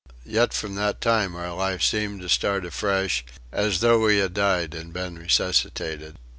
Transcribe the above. Yet from that time our life seemed to start afresh as though we had died and had been resuscitated.